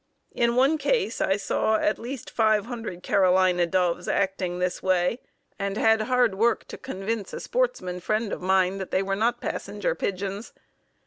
In one case I saw at least five hundred Carolina doves acting this way, and had hard work to convince a sportsman friend of mine that they were not Passenger Pigeons.